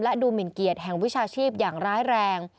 และดูหมินเกียรติแห่งวิชาชีพอย่างร้ายแรง